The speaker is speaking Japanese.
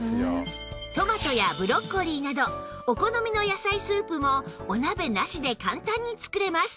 トマトやブロッコリーなどお好みの野菜スープもお鍋なしで簡単に作れます